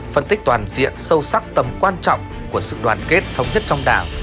phân tích toàn diện sâu sắc tầm quan trọng của sự đoàn kết thống nhất trong đảng